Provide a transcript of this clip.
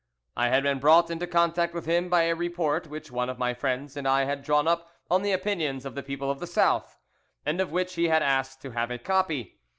"I had been brought into contact with him by a report which one of my friends and I had drawn up on the opinions of the people of the South, and of which he had asked to have a copy.